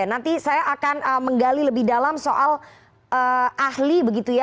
nanti saya akan menggali lebih dalam soal ahli begitu ya